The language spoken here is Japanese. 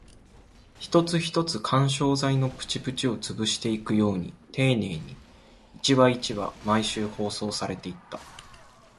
一つ一つ、緩衝材のプチプチを潰していくように丁寧に、一話一話、毎週放送されていった